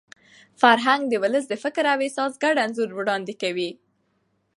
فرهنګ د ولس د فکر او احساس ګډ انځور وړاندې کوي.